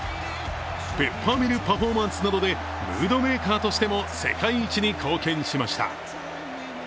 ペッパーミルパフォーマンスなどでムードメーカーとしても世界一に貢献しました。